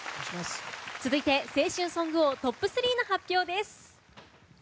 続いて、青春ソング王トップ３の発表です。